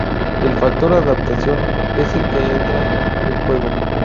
El factor adaptación es el que entra en juego.